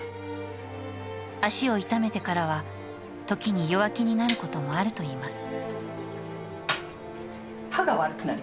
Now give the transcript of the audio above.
足を痛めてからは時に弱気になることもあるといいます。